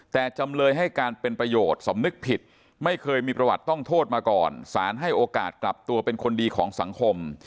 แต่จำเลยให้การเป็นประโยชน์สำนึกผิดไม่เคยมีประวัติต้องโทษมาก่อนสารให้โอกาสกลับตัวเป็นคนดีของสังคม